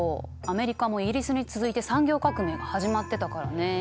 アメリカもイギリスに続いて産業革命が始まってたからね。